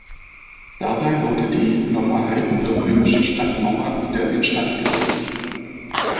Dabei wurde die noch erhaltene römische Stadtmauer wieder instandgesetzt.